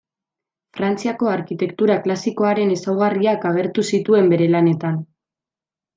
Frantziako arkitektura klasikoaren ezaugarriak agertu zituen bere lanetan.